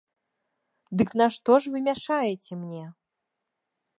Дык нашто ж вы мяшаеце мне?